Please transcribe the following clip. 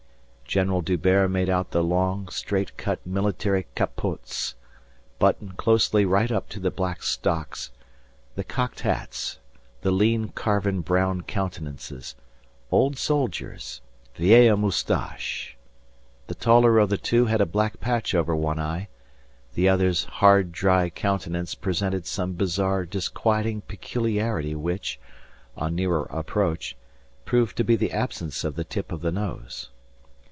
General D'Hubert made out the long, straight cut military capotes, buttoned closely right up to the black stocks, the cocked hats, the lean carven brown countenances old soldiers vieilles moustaches! The taller of the two had a black patch over one eye; the other's hard, dry countenance presented some bizarre disquieting peculiarity which, on nearer approach, proved to be the absence of the tip of the nose.